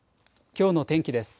きょうの天気です。